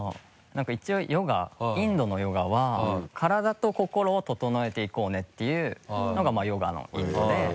何か一応インドのヨガは体と心を整えていこうねっていうのがヨガのインドで。